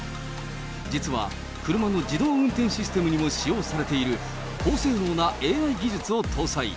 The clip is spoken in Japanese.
実は車の自動運転システムにも使用されている高性能なＡＩ技術を搭載。